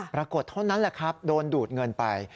ปรากฏเท่านั้นแหละครับโดนดูดเงินไป